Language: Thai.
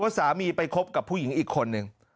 สามีไปคบกับผู้หญิงอีกคนนึง